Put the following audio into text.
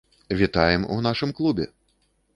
Вітаем у нашым клубе!